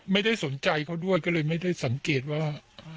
ไม่ได้สนใจเขาด้วยก็เลยไม่ได้สังเกตว่า